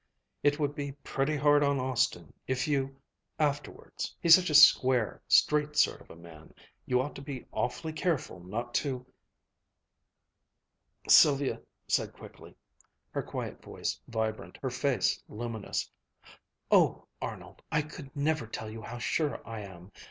"It would be pretty hard on Austin if you afterwards he's such a square, straight sort of a man, you ought to be awfully careful not to " Sylvia said quickly, her quiet voice vibrant, her face luminous: "Oh, Arnold, I could never tell you how sure I am.